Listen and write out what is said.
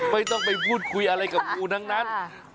ไม่ต้องไปพูดคุยอะไรกับงูทั้งนั้น